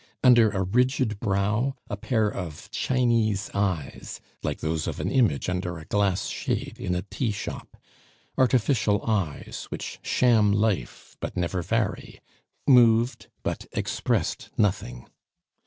Under a rigid brow, a pair of Chinese eyes, like those of an image under a glass shade in a tea shop artificial eyes, which sham life but never vary moved but expressed nothing.